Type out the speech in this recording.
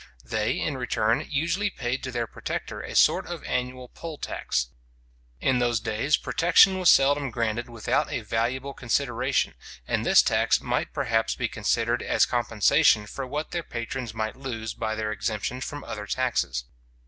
They, in return, usually paid to their protector a sort of annual poll tax. In those days protection was seldom granted without a valuable consideration, and this tax might perhaps be considered as compensation for what their patrons might lose by their exemption from other taxes.